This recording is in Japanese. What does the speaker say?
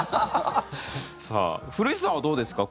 古市さんはどうですか？